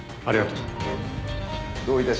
ありがとう。